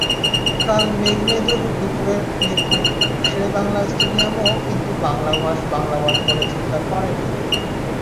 কাল মেঘমেদুর দুপুরের মিরপুর শেরেবাংলা স্টেডিয়ামও কিন্তু বাংলাওয়াশ, বাংলাওয়াশ বলে চিৎকার করেনি।